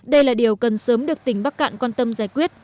đây là điều cần sớm được tỉnh bắc cạn quan tâm giải quyết